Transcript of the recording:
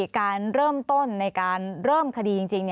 การเริ่มต้นในการเริ่มคดีจริง